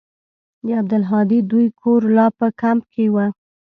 د عبدالهادي دوى کور لا په کمپ کښې و.